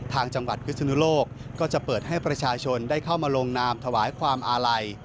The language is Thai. ทางจังหวัดพิศนุโลกก็จะเปิดให้ประชาชนได้เข้ามาลงนามถวายความอาลัย